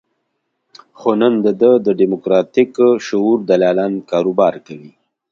خو نن د ده د دیموکراتیک شعور دلالان کاروبار کوي.